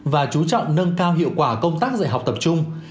và chú trọng nâng cao hiệu quả công tác dạy học tập trung